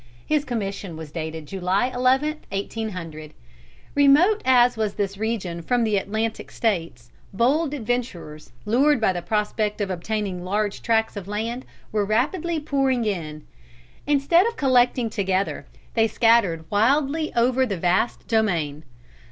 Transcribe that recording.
His commission was dated July 11th, 1800. Remote as was this region from the Atlantic States, bold adventurers, lured by the prospect of obtaining large tracts of land, were rapidly pouring in. Instead of collecting together, they scattered wildly over the vast domain.